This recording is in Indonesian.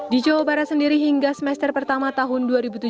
di jawa barat sendiri hingga semester pertama tahun dua ribu tujuh belas